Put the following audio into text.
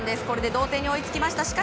これで同点に追いつきました。